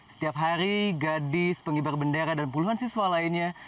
setiap hari gadis pengibar bendera dan puluhan siswa lainnya